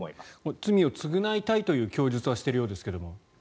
罪を償いたいという供述はしているようですが。